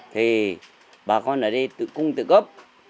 thì bà con ở đây tự cung tự gấp